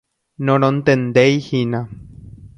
Norontendeihína.